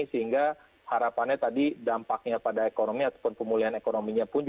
sehingga harapannya tadi dampaknya pada ekonomi ataupun pemulihan ekonominya pun